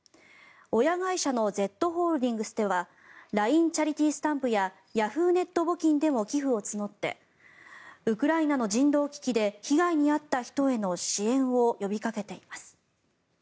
親会社のＺホールディングスではＬＩＮＥチャリティースタンプやＹａｈｏｏ！ネット募金でも寄付を募ってウクライナの人道危機で被害に遭った人への支援を呼びかけています。